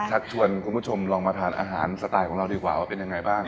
ชักชวนคุณผู้ชมลองมาทานอาหารสไตล์ของเราดีกว่าว่าเป็นยังไงบ้าง